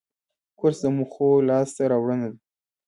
کورس د موخو لاسته راوړنه ده.